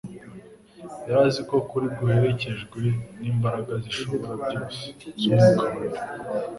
Yari azi ko ukuri guherekejwe n'imbaraga z'Ishobora byose z'Umwuka wera,